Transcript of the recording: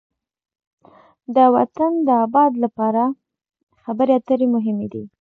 د وطن د آباد لپاره خبرې اترې مهمې دي.